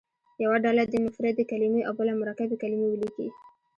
یوه ډله دې مفردې کلمې او بله مرکبې کلمې ولیکي.